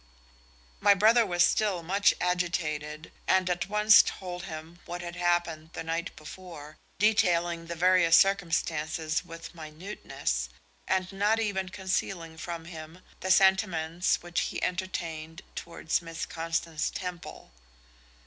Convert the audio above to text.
My brother was still much agitated, and at once told him what had happened the night before, detailing the various circumstances with minuteness, and not even concealing from him the sentiments which he entertained towards Miss Constance Temple.